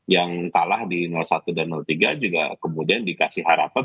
yang kalah di satu dan tiga juga kemudian dikasih harapan